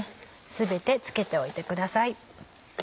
全て付けておいてください。